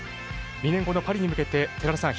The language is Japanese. ２年後のパリに向けて、寺田さん